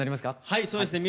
はいそうですね。